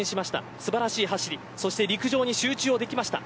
素晴らしい走り、そして陸上に集中ができました。